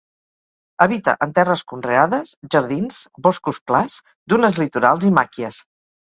Habita en terres conreades, jardins, boscos clars, dunes litorals i màquies.